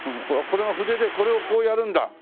これが筆でこれをこうやるんだ。